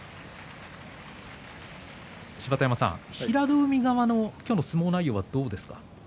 芝田山さん、平戸海側の今日の相撲内容、どうですか。